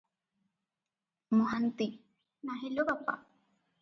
ମହାନ୍ତି-ନାହିଁ ଲୋ ବାପା ।